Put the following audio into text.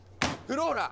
フローラ！